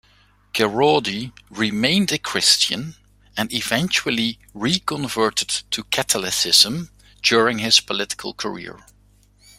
Garaudy remained a Christian and eventually re-converted to Catholicism during his political career.